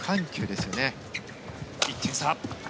１点差。